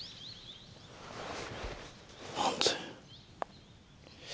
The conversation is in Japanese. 何で？